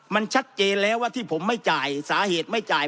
มันชัดเจนแล้วว่าที่ผมไม่จ่ายสาเหตุไม่จ่าย